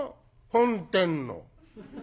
「本店の」。